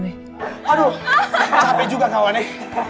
aduh cape juga kawannya